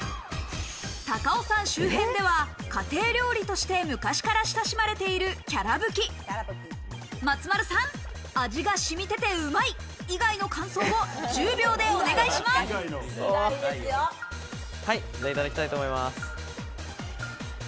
高尾山周辺では家庭料理として昔から親しまれているきゃらぶき松丸さん「味が染みててうまい」以外の感想を１０秒でお願いしますいただきたいと思います。